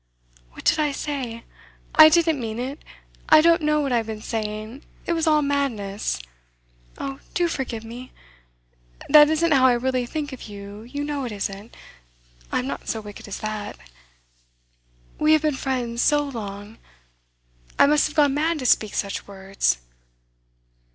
'What did I say? I didn't mean it I don't know what I have been saying it was all madness. Oh, do forgive me! That isn't how I really think of you you know it isn't I'm not so wicked as that. We have been friends so long I must have gone mad to speak such words.